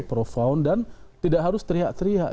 profound dan tidak harus teriak teriak